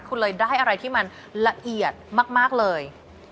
คุณเลยได้อะไรที่มันละเอียดมากเลย